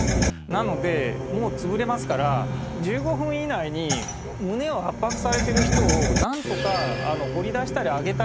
なのでもう潰れますから１５分以内に胸を圧迫されてる人をなんとか掘り出したり上げたり。